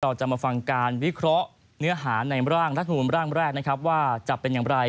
เราจะมาฟังการวิเคราะห์เนื้อหาในร่างรัฐมนูลร่างแรกนะครับว่าจะเป็นอย่างไร